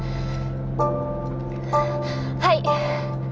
はい。